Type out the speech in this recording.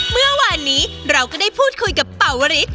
เมื่อวานนี้เราก็ได้พูดคุยกับเป่าวริส